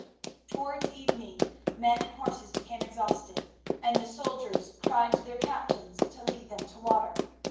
Towards evening men and horses became exhausted, and the soldiers cried to their captains to lead them to water.